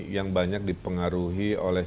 yang banyak dipengaruhi oleh